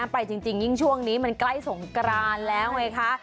ไปจริงยิ่งช่วงนี้มันใกล้สงกรานแล้วไงคะ